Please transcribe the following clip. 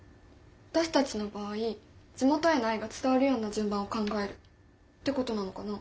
私たちの場合地元への愛が伝わるような順番を考えるってことなのかな。